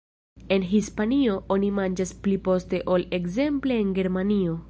En Hispanio oni manĝas pli poste ol ekzemple en Germanio.